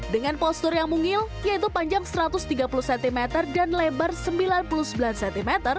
dengan postur yang mungil yaitu panjang satu ratus tiga puluh cm dan lebar sembilan puluh sembilan cm